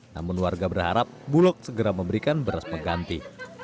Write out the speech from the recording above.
namun warga berharap bulog segera memberikan beras pengganti